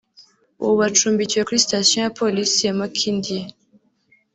ubu bacumbikiwe kuri station ya Polisi ya Makindye